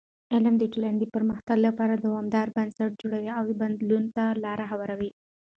علم د ټولنې د پرمختګ لپاره دوامدار بنسټ جوړوي او بدلون ته لاره هواروي.